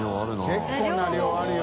結構な量あるな。